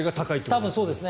多分そうですね。